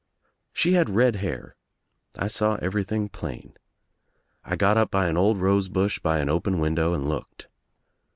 She had red hair. I saw everything plain, I got up by an old rose bush by an open window and lool^d.